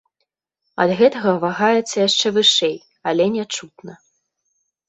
Ад гэтага вагаецца яшчэ вышэй, але нячутна.